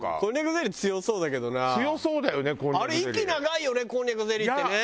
あれ息長いよねこんにゃくゼリーってね。